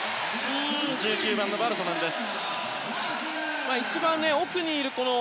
１９番のバルトネンです。